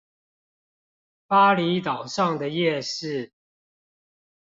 峇里島上的夜市